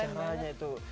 gimana caranya itu